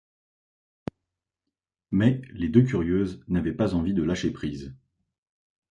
Mais les deux curieuses n’avaient pas envie de lâcher prise.